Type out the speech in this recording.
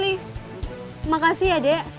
terima kasih ya dek